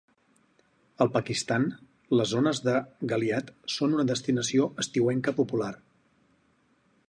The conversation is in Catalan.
Al Pakistan, les zones de Galyat són una destinació estiuenca popular.